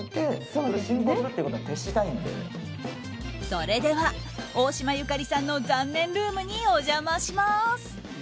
それでは、大島由香里さんの残念ルームにお邪魔します！